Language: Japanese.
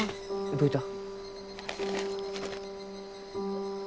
どういた？